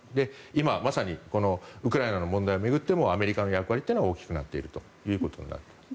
今、まさにウクライナの問題を巡ってもアメリカの役割は大きくなっているということになります。